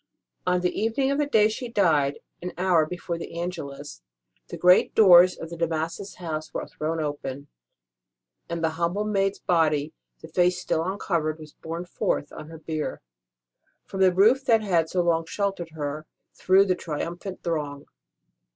On the evening of the day she died an hour before the Angehis, the great doors of the De Massas house were thrown open, and the humble maid s body the face still uncovered was borne forth on her bier, from the roof that had so long sheltered her, through the triumphant throng.